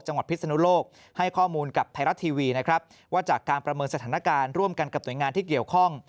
พิศนุโลกให้ข้อมูลกับไทยรัฐทีวีนะครับว่าจากการประเมินสถานการณ์ร่วมกันกับหน่วยงานที่เกี่ยวข้อง